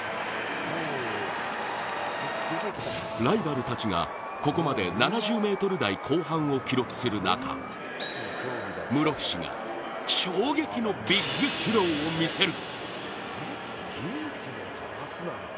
ライバルたちがここまで７０ｍ後半を記録する中室伏が衝撃のビッグスローを見せる。